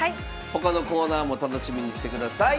他のコーナーも楽しみにしてください。